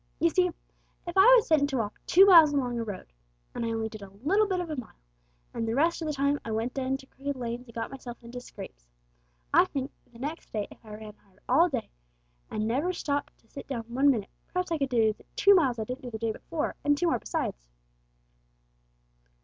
You see, if I was sent to walk two miles along a road, and I only did a little bit of a mile, and the rest of the time I went into crooked lanes and got myself into scrapes, I think the next day if I ran hard all day, and never stopped to sit down one minute, perhaps I could do the two miles I didn't do the day before, and two more besides."